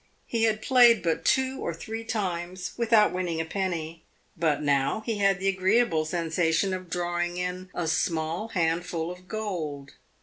He had played but two or three times, without winning a penny; but now he had the agreeable sensation of drawing in a small handful of gold.